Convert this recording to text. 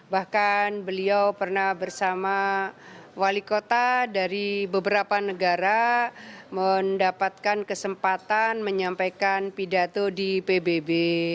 bahkan beliau pernah bersama wali kota dari beberapa negara mendapatkan kesempatan menyampaikan pidato di pbb